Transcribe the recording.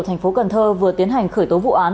thành phố cần thơ vừa tiến hành khởi tố vụ án